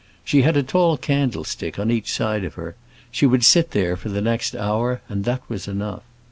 She had a tall candlestick on each side of her; she would sit there for the next hour, and that was enough.